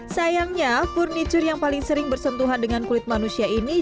sayangnya furniture yang paling sering bersentuhan dengan kulit manusia ini